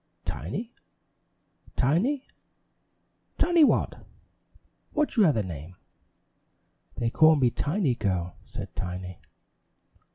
"Tiny! Tiny! Tiny what? What's your other name?" "They call me 'Tiny girl'," said Tiny.